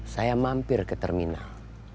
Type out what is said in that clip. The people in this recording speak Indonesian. saya mampir ke terminal